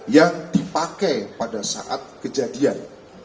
yang dipakai pada saat kejadian